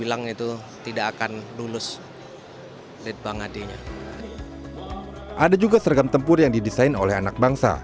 ada juga seragam tempur yang didesain oleh anak bangsa